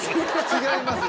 違います。